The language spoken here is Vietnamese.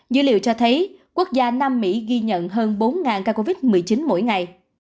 dữ liệu cho thấy quốc gia nam mỹ ghi nhận hơn bốn ca covid một mươi chín mỗi ngày